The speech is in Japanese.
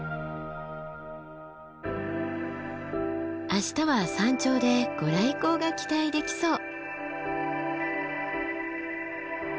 明日は山頂で御来光が期待できそう！